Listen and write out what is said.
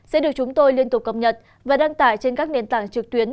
sẽ được chúng tôi liên tục cập nhật và đăng tải trên các nền tảng trực tuyến